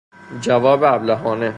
جواب ابلهانه